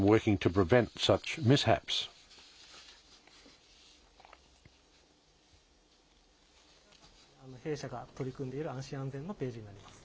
こちらが弊社が取り組んでいる安心安全のページになります。